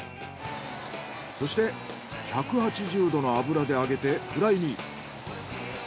そして１８０度の油で揚げてフライに。